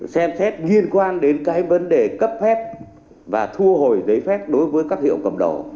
xem xét nghiên quan đến cái vấn đề cấp phép và thu hồi giấy phép đối với các hiệu cầm đầu